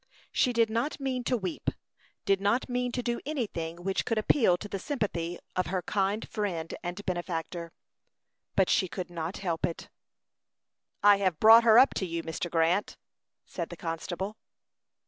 She did not mean to weep; did not mean to do anything which could appeal to the sympathy of her kind friend and benefactor, but she could not help it. "I have brought her up to you, Mr. Grant," said the constable.